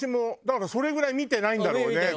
だからそれぐらい見てないんだろうね